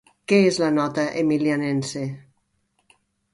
Què és la Nota Emilianense?